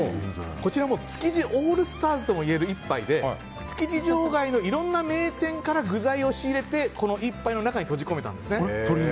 こちら築地オールスターズともいえる一杯で築地場外のいろんな名店から具材を仕入れてこの一杯の中に閉じ込めたんです。